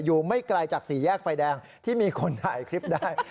ไม่ไกลจากสี่แยกไฟแดงที่มีคนถ่ายคลิปได้